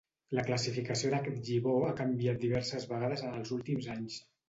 La classificació d'aquest gibó ha canviat diverses vegades en els últims anys.